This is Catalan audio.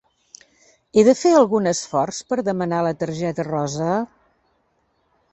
He de fer algun esforç per demanar la targeta rosa?